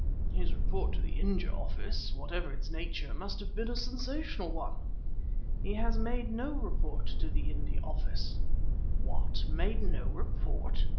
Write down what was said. "His report to the India Office, whatever its nature, must have been a sensational one." "He has made no report to the India Office." "What! made no report?"